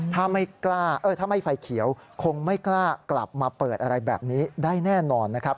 ถ้าไม่กล้าถ้าไม่ไฟเขียวคงไม่กล้ากลับมาเปิดอะไรแบบนี้ได้แน่นอนนะครับ